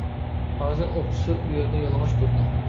ھازىر ئوفىتسېر ئۇ يەردە يالىڭاچ تۇردى.